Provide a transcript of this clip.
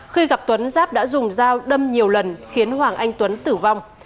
khi gặp tuấn giáp đã dùng dao đâm nhiều lần khiến hoàng anh tuấn tử vong